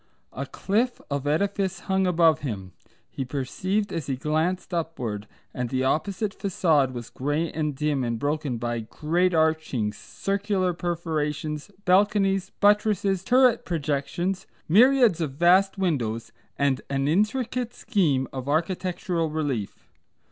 A cliff of edifice hung above him, he perceived as he glanced upward, and the opposite façade was grey and dim and broken by great archings, circular perforations, balconies, buttresses, turret projections, myriads of vast windows, and an intricate scheme of architectural relief.